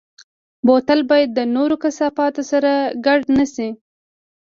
بوتل باید د نورو کثافاتو سره ګډ نه شي.